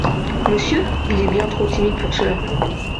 Monsieur ?… il est bien trop timide pour cela !